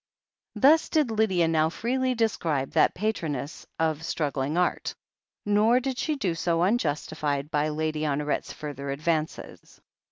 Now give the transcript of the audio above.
Thus did Lydia now freely describe that patroness of struggling art. Nor did she do so unjustified by Lady Honoret's further advances.